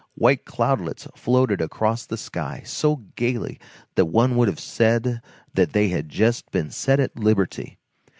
White cloudlets floated across the sky, so gayly, that one would have said that they had just been set at liberty.